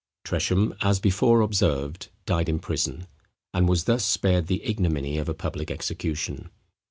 Tresham, as before observed, died in prison, and was thus spared the ignominy of a public execution.